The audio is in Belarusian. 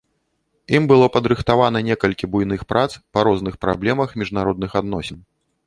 Ім было падрыхтавана некалькі буйных прац па розных праблемах міжнародных адносін.